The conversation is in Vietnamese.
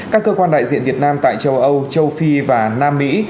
các cơ quan đại diện việt nam tại châu âu châu phi và nam mỹ